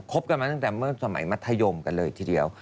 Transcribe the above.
บกันมาตั้งแต่เมื่อสมัยมัธยมกันเลยทีเดียว